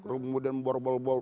rumuh dan borbol borbol